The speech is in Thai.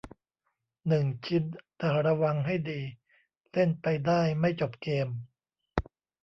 หนึ่ง ชิ้น แต่ระวังให้ดี เล่นไปได้ไม่จบเกม